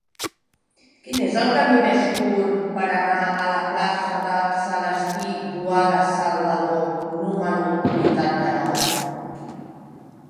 Quin és el camí més curt per anar a la plaça de Celestí Boada Salvador número vuitanta-nou?